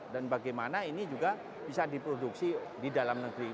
dan bagaimana ini juga bisa diproduksi di dalam negeri